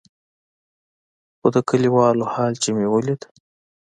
خو د کليوالو حال چې مې وليد.